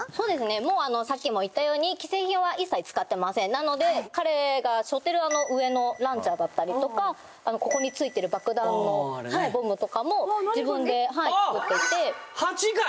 もうさっきも言ったように既製品は一切使ってませんなので彼がしょってる上のランチャーだったりとかここについてる爆弾のボムとかも自分で作っていてあっ鉢かい！